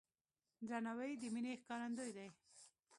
درناوی د مینې ښکارندوی دی.